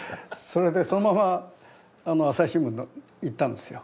それでそのまま朝日新聞に行ったんですよ。